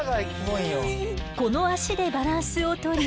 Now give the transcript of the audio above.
この足でバランスをとり。